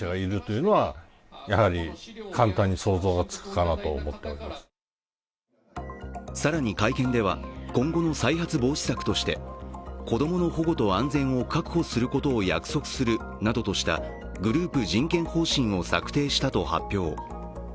こうした対応について当事者の会の石丸副代表は更に会見では、今後の再発防止策として子供の保護と安全を確保することを約束するなどとしたグループ人権方針を策定したと発表。